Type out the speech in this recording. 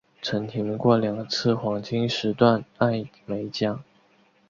曾提名过两次黄金时段艾美奖。